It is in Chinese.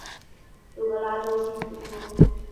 朱格拉周期提出。